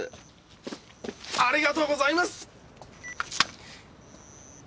ありがとうございます！